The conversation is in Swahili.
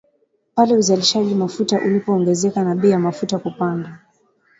pale uzalishaji mafuta ulipoongezeka na bei ya mafuta kupanda